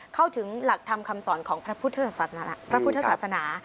เข้าถึงหลักธรรมคำสอนของพระพุทธศาสนา